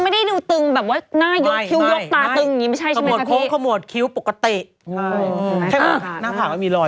ไฟลายว่ามีรอย